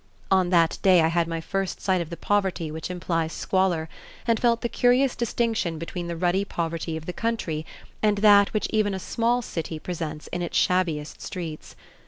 On that day I had my first sight of the poverty which implies squalor, and felt the curious distinction between the ruddy poverty of the country and that which even a small city presents in its shabbiest streets.